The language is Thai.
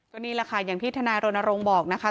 ก็นี่แหละค่ะอย่างที่ทนายรณรงค์บอกนะคะ